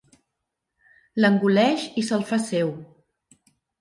L'engoleix i se'l fa seu.